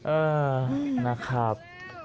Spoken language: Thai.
เออนะครับ